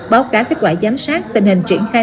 báo cáo kết quả giám sát tình hình triển khai